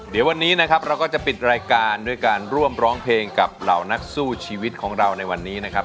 เดี๋ยววันนี้นะครับเราก็จะปิดรายการด้วยการร่วมร้องเพลงกับเหล่านักสู้ชีวิตของเราในวันนี้นะครับ